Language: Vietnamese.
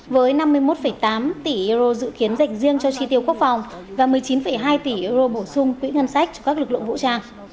với năm mươi một tám tỷ euro dự kiến dành riêng cho chi tiêu quốc phòng và một mươi chín hai tỷ euro bổ sung quỹ ngân sách cho các lực lượng vũ trang